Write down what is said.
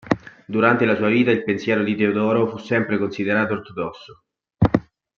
Durante la sua vita il pensiero di Teodoro fu sempre considerato ortodosso.